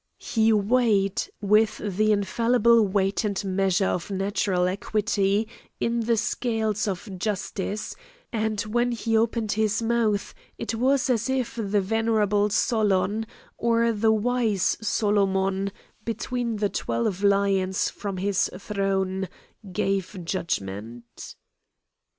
He weighed, with the infallible weight and measure of natural equity, in the scales of justice, and when he opened his mouth, it was as if the venerable Solon or the wise Solomon, between the twelve lions from his throne, gave judgment.